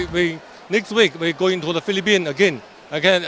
minggu depan kita akan ke filipina lagi